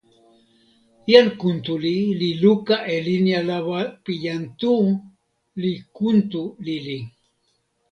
jan Kuntuli li luka e linja lawa pi jan Tu, li kuntu lili.